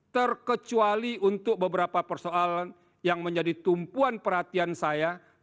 terkecuali untuk beberapa persoalan yang menjadi tumpuan perhatian saya